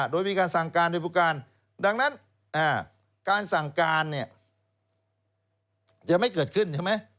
โดยมีการสั่งการโดยผู้การดังนั้นการสั่งการเนี่ยจะไม่เกิดขึ้นใช่ไหม